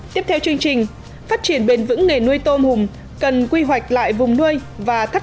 tiếp theo chương trình phát triển bền vững nghề nuôi tôm hùm cần quy hoạch lại vùng nuôi và thắt